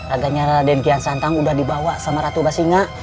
agaknya demkian santam udah dibawa sama ratu basinga